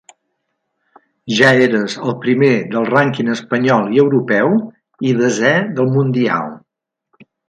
Ja eres el primer del rànquing espanyol i europeu, i desè del mundial.